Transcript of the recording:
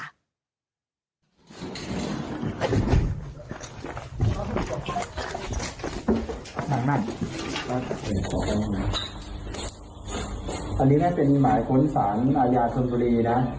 อันนี้ได้เป็นหมายค้นสารอาญาธนบุรีนะ